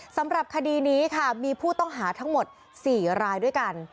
สำหรับคดีนี้ค่ะมีผู้ต้องหาทั้งหมด๔รายด้วยกัน